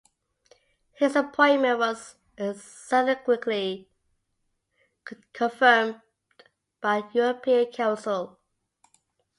His appointment was subsequently confirmed by the European Council.